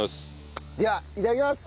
ではいただきます！